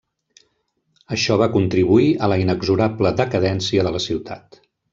Això va contribuir a la inexorable decadència de la ciutat.